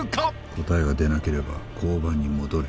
「答えが出なければ交番に戻れ」